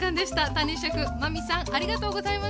谷シェフ真海さんありがとうございました！